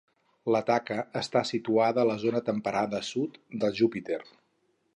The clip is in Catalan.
La taca està situada a la zona temperada sud de Júpiter.